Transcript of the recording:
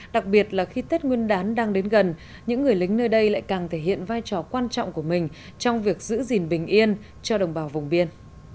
đặc biệt là khi tết nguyên đán đang đến gần những người lính nơi đây lại càng thể hiện vai trò quan trọng của mình trong việc giữ gìn bình yên cho đồng bào vùng biên